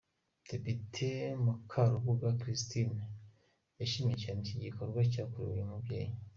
Depite Mukarubuga Christine, yashimye cyane iki gikorwa cyakorewe uyu mubyeyi.